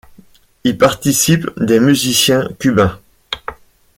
Y participent des musiciens cubains.